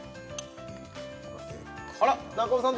あら中尾さん